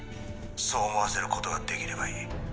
そう思わせる事ができればいい」